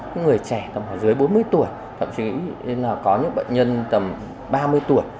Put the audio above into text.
những người trẻ tầm thể dưới bốn mươi tuổi thậm chí là có những bệnh nhân tầm ba mươi tuổi